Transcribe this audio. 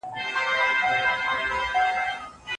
ايا هغه به خپل ارزښت وپېژني؟